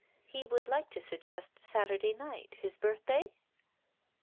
He would like to suggest Saturday night — his birthday